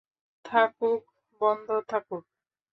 থাকুক বন্ধ থাকুক।